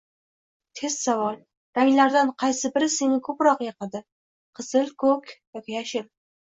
Test savol: “Ranglardan qaysi biri senga ko‘proq yoqadi: qizil, ko‘k yoki yashil?”